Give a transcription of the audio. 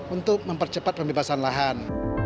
untuk mempercepat pembebasan lahan